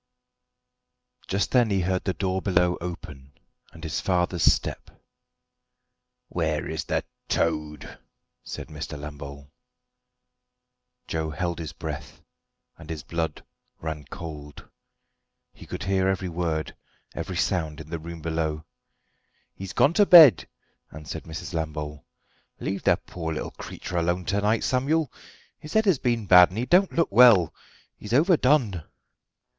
Just then he heard the door below open, and his father's step. "Where is the toad?" said Mr. Lambole. Joe held his breath, and his blood ran cold. He could hear every word, every sound in the room below. "He's gone to bed," answered Mrs. Lambole. "Leave the poor little creetur alone to night, Samuel; his head has been bad, and he don't look well. He's overdone."